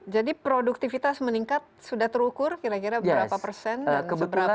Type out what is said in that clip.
jadi produktivitas meningkat sudah terukur kira kira berapa persen dan seberapa